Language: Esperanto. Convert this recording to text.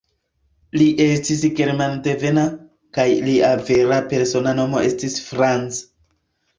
Li estis germandevena, kaj lia vera persona nomo estis "Franz".